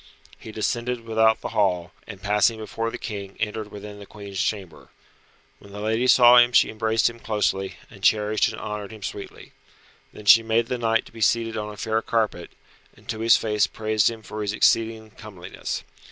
He descended without the hall, and passing before the King entered within the Queen's chamber. When the lady saw him she embraced him closely, and cherished and honoured him sweetly. Then she made the knight to be seated on a fair carpet, and to his face praised him for his exceeding comeliness.